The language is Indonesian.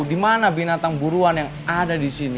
dimana binatang buruan yang ada disini